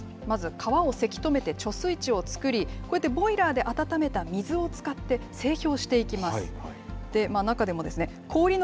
まず川をせき止めて貯水池を作り、こうやってボイラーで温めた水を使って、整氷していきます。